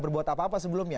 berbuat apa apa sebelumnya